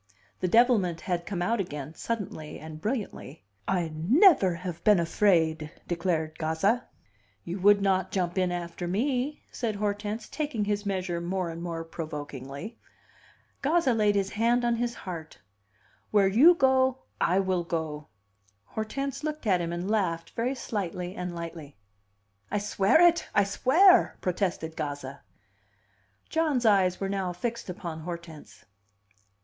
The devilment had come out again, suddenly and brilliantly: "I never have been afraid!" declared Gazza. "You would not jump in after me," said Hortense, taking his measure more and more provokingly. Gazza laid his hand on his heart. "Where you go, I will go!" Hortense looked at him, and laughed very slightly and lightly. "I swear it! I swear!" protested Gazza. John's eyes were now fixed upon Hortense.